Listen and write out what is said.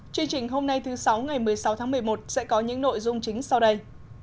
chương trình hôm nay thứ sáu ngày một mươi sáu tháng một mươi một sẽ có những nội dung chính sau đây